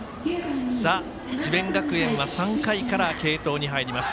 智弁学園は３回から継投に入ります。